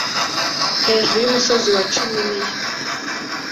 Hejuru yumusozi wa Ciminiya